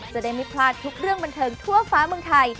จะได้ไม่พลาดทุกเรื่องบันเทิงทั่วฟ้าเมืองไทย